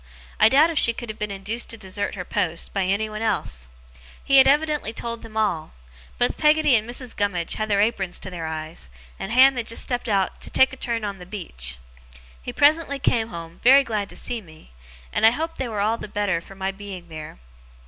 I doubt if she could have been induced to desert her post, by anyone else. He had evidently told them all. Both Peggotty and Mrs. Gummidge had their aprons to their eyes, and Ham had just stepped out 'to take a turn on the beach'. He presently came home, very glad to see me; and I hope they were all the better for my being there.